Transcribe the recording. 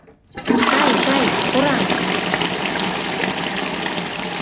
Кай, кай, кораҥ!..